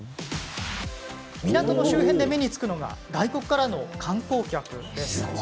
港の周辺で目につくのが外国からの観光客。